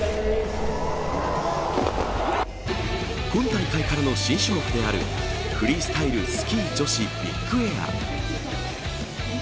今大会からの新種目であるフリースタイルスキー女子ビッグエア。